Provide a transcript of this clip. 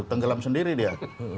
tenggelam sendiri dia